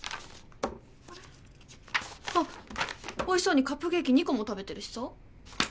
おいしそうにカップケーキ２個も食べてるしさ。